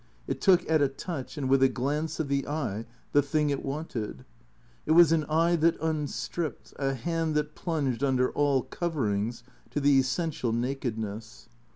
It took at a touch and with a glance of the eye the thing it wanted. It was an eye that unstripped, a hand that plunged under all coverings to the essential nakedness.